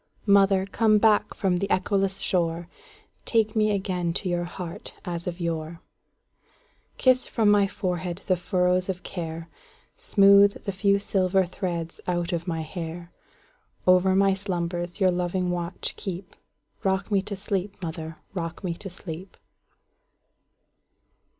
Mother, come back from the echoless shore, Take me again to your heart as of yore; Kiss from my forehead the furrows of care, Smooth the few silver threads out of my hair; Over my slumbers your loving watch keep;—Rock me to sleep, mother,—rock me to sleep!